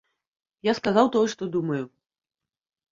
Я сказаў тое, што думаю.